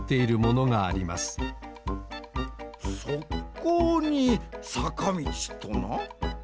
こうにさかみちとな？